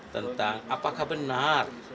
tentang apakah benar